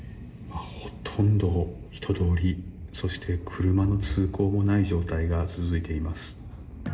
ほとんど人通りそして車の通行もない状態が続いています。